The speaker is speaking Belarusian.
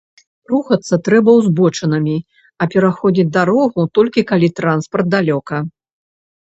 Рухацца трэба ўзбочынамі, а пераходзіць дарогу толькі калі транспарт далёка.